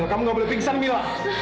kamu gak boleh pingsan mila